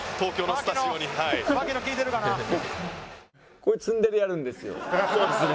こういうツンデレやるんですよ。